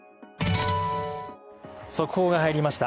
速報が入りました。